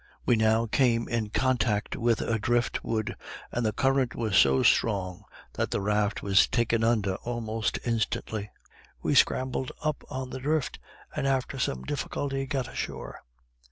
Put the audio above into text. We now came in contact with a driftwood, and the current was so strong that the raft was taken under almost instantly we scrambled up on the drift, and after some difficulty got ashore.